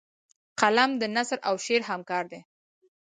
قلم د نثر او شعر همکار دی